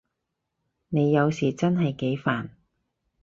你有時真係幾煩